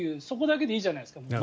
そこだけでいいじゃないですか。